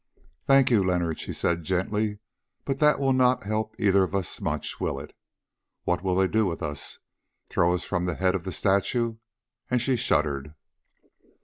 "Thank you, Leonard," she said gently, "but that will not help either of us much, will it? What will they do with us? Throw us from the head of the statue?" and she shuddered.